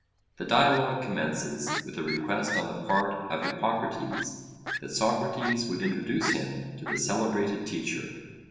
The dialogue commences with a request on the part of Hippocrates that Socrates would introduce him to the celebrated teacher.